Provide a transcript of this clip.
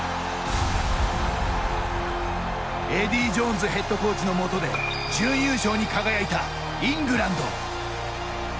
エディー・ジョーンズヘッドコーチのもとで準優勝に輝いたイングランド。